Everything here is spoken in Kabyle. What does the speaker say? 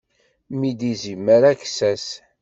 Mmi d izimer aksas.